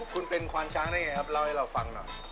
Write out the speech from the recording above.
คุณเป็นควานช้างได้ไงครับเล่าให้เราฟังหน่อย